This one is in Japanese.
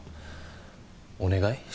お願い？